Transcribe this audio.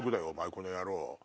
この野郎。